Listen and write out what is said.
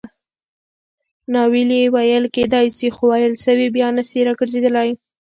ناویلي ویل کېدای سي؛ خو ویل سوي بیا نه سي راګرځېدلای.